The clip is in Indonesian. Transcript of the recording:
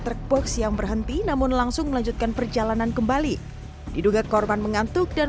truk box yang berhenti namun langsung melanjutkan perjalanan kembali diduga korban mengantuk dan